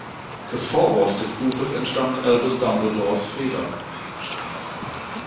Das Vorwort des Buches entstammt Albus Dumbledores Feder.